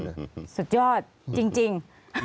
ลุงเอี่ยมอยากให้อธิบดีช่วยอะไรไหม